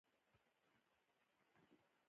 د نړۍ تر ټولو ستر استعماري طاقت و.